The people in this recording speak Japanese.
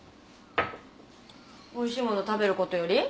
おいしいもの食べることより？